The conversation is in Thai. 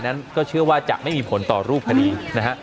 นั้นก็เชื่อว่าจะไม่มีผลต่อรูปคดีนะฮะ